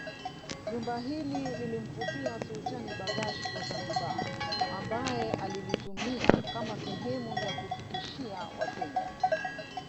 Jumba hili lilimvutia Sultani Barghash wa Zanzibar ambaye alilitumia kama sehemu ya kufikishia watumwa